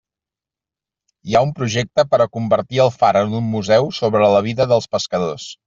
Hi ha un projecte per a convertir el far en un museu sobre la vida dels pescadors.